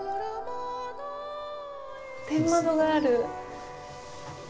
天窓がある。